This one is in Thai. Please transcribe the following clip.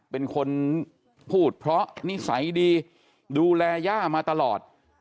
เป็นคนพูดเพราะนิสัยดีดูแลย่ามาตลอด